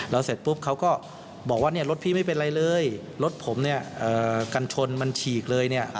แล้วเสร็จปุ๊บเขาก็บอกว่าเนี่ยรถพี่ไม่เป็นไรเลยรถผมเนี่ยกันชนมันฉีกเลยเนี่ย